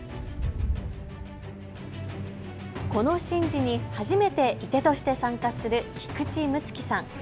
この神事に初めて射手として参加する菊池睦月さん。